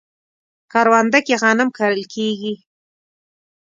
کرونده کې غنم کرل کیږي